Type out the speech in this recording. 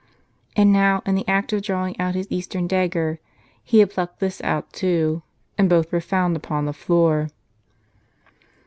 And now, in the act of drawing out his eastern dagger, he had plucked this out too, and both were found upon the floor.